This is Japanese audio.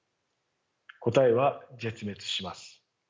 答えは絶滅します。